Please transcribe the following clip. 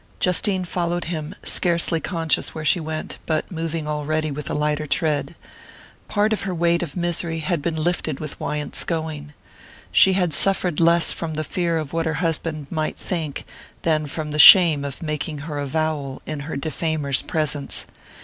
Justine followed him, scarcely conscious where she went, but moving already with a lighter tread. Part of her weight of misery had been lifted with Wyant's going. She had suffered less from the fear of what her husband might think than from the shame of making her avowal in her defamer's presence.